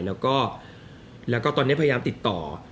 แล้วก็ตอนนี้พยายามติดต่อ